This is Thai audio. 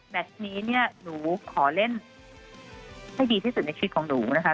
นี้เนี่ยหนูขอเล่นให้ดีที่สุดในชีวิตของหนูนะคะ